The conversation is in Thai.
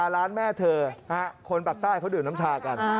ร้านแม่เธอคนปากใต้เขาดื่มน้ำชากัน